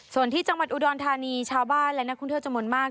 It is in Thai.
ส่วนที่จังหวัดอุดรธานีชาวบ้านและนักท่องเที่ยวจำนวนมาก